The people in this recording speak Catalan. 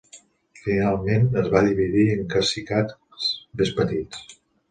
Finalment, es va dividir en cacicats més petits.